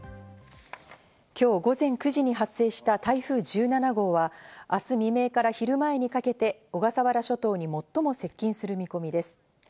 今日午前９時に発生した台風１７号は明日未明から昼前にかけて小笠原諸島に最も接近する見込みです。